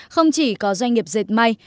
không chỉ có doanh nghiệp dệt may